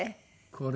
これ。